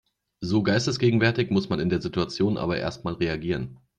So geistesgegenwärtig muss man in der Situation aber erstmal reagieren.